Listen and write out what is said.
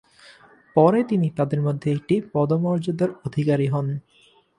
পরে তিনি তাদের মধ্যে একটি পদমর্যাদার অধিকারী হন।